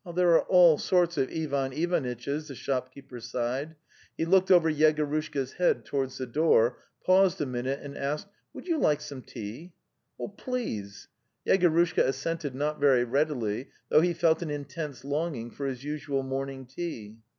'"" There are all sorts of Ivan Ivanitchs," the shop keeper sighed. He looked over Yegorushka's head towards the door, paused a minute and asked: "Would you like some tea?" 'Please. ...' Yegorushka assented not very readily, though he felt an intense longing for his usual morning tea.